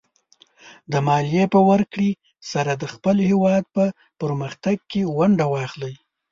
د مالیې په ورکړې سره د خپل هېواد په پرمختګ کې ونډه واخلئ.